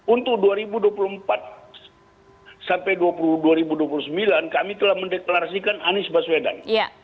untuk dua ribu dua puluh empat sampai dua ribu dua puluh sembilan kami telah mendeklarasikan anies baswedan